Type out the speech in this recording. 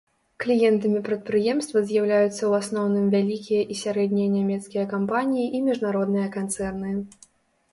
Кліентамі прадпрыемства з'яўляюцца ў асноўным вялікія і сярэднія нямецкія кампаніі і міжнародныя канцэрны.